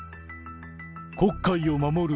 黒海を守る